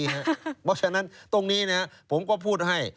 เพราะฉะนั้นตรงนี้ผมก็พูดให้